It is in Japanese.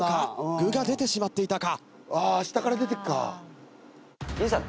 具が出てしまっていたか。